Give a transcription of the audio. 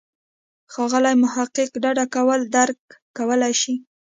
ښاغلی محق ډډه کول درک کولای شي.